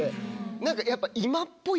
何かやっぱ。